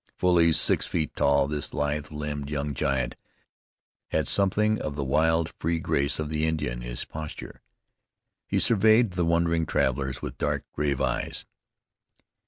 Fully six feet tall, this lithe limbed young giant had something of the wild, free grace of the Indian in his posture. He surveyed the wondering travelers with dark, grave eyes.